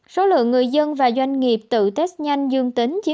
số lượng người dân và doanh nghiệp tự test nhanh dương tính chiếm